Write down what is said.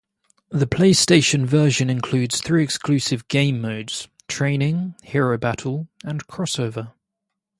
The PlayStation version includes three exclusive game modes: Training, Hero Battle, and Cross Over.